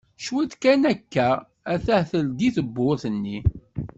Cwiṭ kan akka attah teldi-d tewwurt-nni.